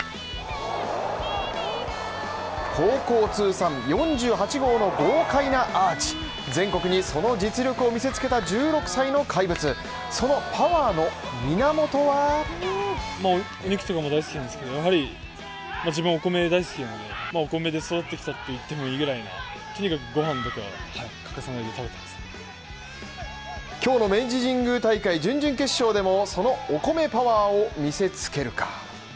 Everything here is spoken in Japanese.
高校通算４８号の豪快なアーチ全国にその実力を見せつけた１６歳の怪物、そのパワーの源は今日の明治神宮大会準々決勝でもそのお米パワーを見せつけるか。